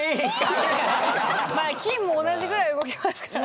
まあ金も同じぐらい動きますからね。